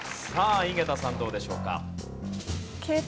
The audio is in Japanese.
さあ井桁さんどうでしょうか？